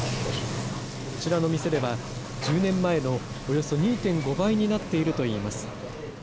こちらの店では、１０年前のおよそ２．５倍になっているといいます。